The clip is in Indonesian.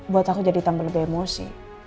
buat aku jadi tambah lebih emosi